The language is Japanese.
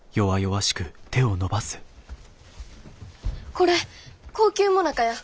これ高級もなかや。